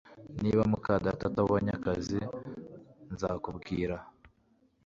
Niba muka data atabonye akazi, nzakubwira